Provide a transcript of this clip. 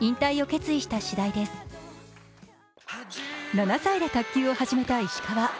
７歳で卓球を始めた石川。